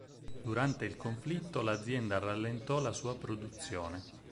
Durante il conflitto l'azienda rallentò la sua produzione.